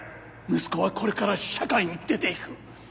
息子はこれから社会に出ていく